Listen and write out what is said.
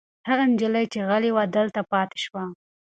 هغه نجلۍ چې غلې وه دلته پاتې شوه.